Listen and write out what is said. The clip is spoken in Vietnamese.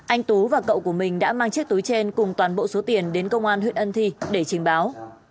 anh tú và cậu của mình đã mang chiếc túi trên cùng toàn bộ số tiền đến công an huyện ân thi để trình báo